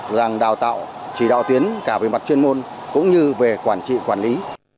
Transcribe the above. rằng đào tạo chỉ đạo tuyến cả về mặt chuyên môn cũng như về quản trị quản lý